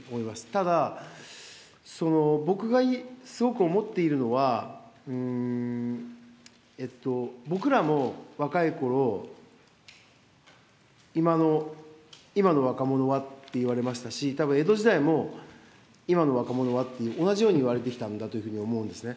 ただ、僕がすごく思っているのは、僕らも若いころ、今の若者はって言われましたし、たぶん江戸時代も、今の若者はって、同じように言われてきたんだと思うんですね。